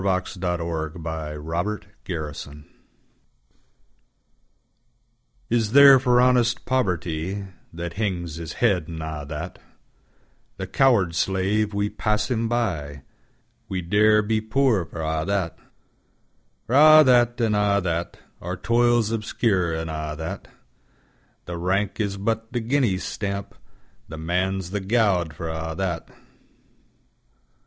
Song—A Man's a Man for a' that IS there for honest PovertyThat hings his head, an' a' that; The coward slave we pass him by, We dare be poor for a' that! For a' that, an' a' that. Our toils obscure an' a' that, The rank is but the guinea's stamp, The Man's the gowd for a' that.